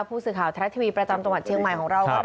ผู้สื่อข่าวทรัฐทีวีประจำจังหวัดเชียงใหม่ของเราก็